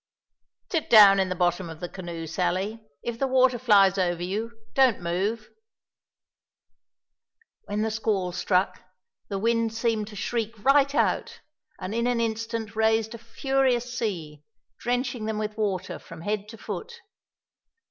"Sit down in the bottom of the canoe, Sally; if the water flies over you, don't move." When the squall struck, the wind seemed to shriek right out, and in an instant raised a furious sea, drenching them with water from head to foot.